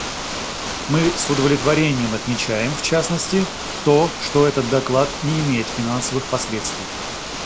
Мы с удовлетворением отмечаем, в частности, то, что этот доклад не имеет финансовых последствий.